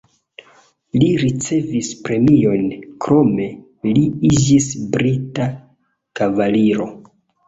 Li ricevis premiojn, krome li iĝis brita kavaliro.